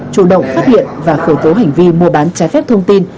chủ động phát hiện và khởi tố hành vi mua bán trái phép thông tin